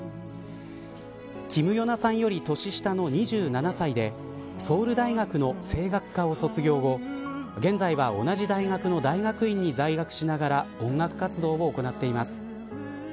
キム・ヨナさんより年下の２７歳でソウル大学の声楽科を卒業後現在は同じ大学の大学院に在学しながら音楽活動を行っています。